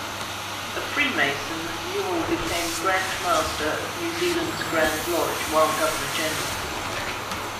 A Freemason, Newall became Grand Master of New Zealand's Grand Lodge while Governor-General.